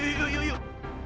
yuk yuk yuk